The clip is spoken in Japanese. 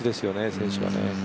選手はね。